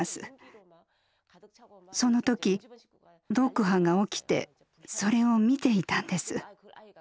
その時ドクハが起きてそれを見ていたんです。